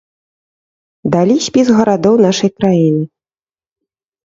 Далі спіс гарадоў нашай краіны.